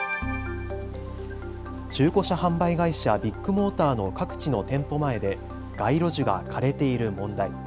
中古車販売会社、ビッグモーターの各地の店舗前で街路樹が枯れている問題。